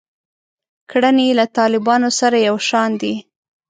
کړنې یې له طالبانو سره یو شان دي.